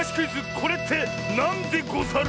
「これってなんでござる」。